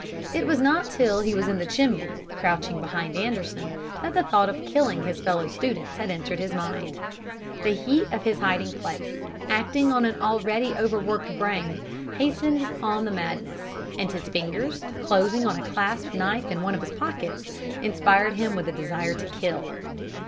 It was not till he was in the chimney, crouching behind Anderson, that the thought of killing his fellow students had entered his mind. The heat of his hiding place, acting on an already overworked brain, hastened on the madness; and his fingers closing on a clasped knife in one of his pockets, inspired him with a desire to kill.